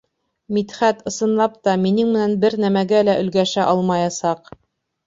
Мидхәт, ысынлап та, минең менән бер нәмәгә лә өлгәшә алмаясаҡ.